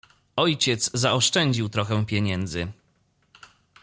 "Ojciec zaoszczędził trochę pieniędzy."